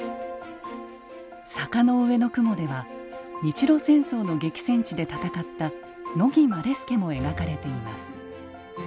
「坂の上の雲」では日露戦争の激戦地で戦った乃木希典も描かれています。